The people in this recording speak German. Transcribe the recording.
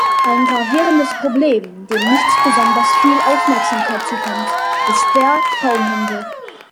Ein gravierendes Problem, dem nicht besonders viel Aufmerksamkeit zukommt, ist der Frauenhandel.